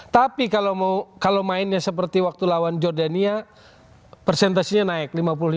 tapi kalau mainnya seperti waktu lawan jordania persentasenya naik lima puluh lima